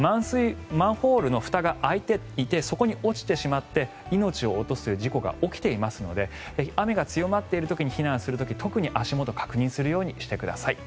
マンホールのふたが開いていてそこに落ちてしまって命を落とすという事故が起きていますので雨が強まっている時に避難する時、特に足元確認するようにしてください。